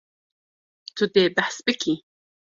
Tu dê behs bikî.